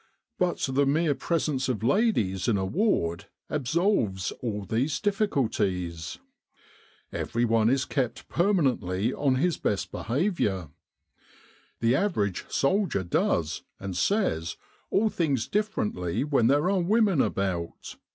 But the mere presence of ladies in a ward absolves all these difficulties. Everyone is kept permanently on his best behaviour. The average soldier does, and says, all things differently when there are women about.